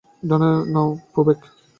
ডানে নাও, প্যেব্যাক!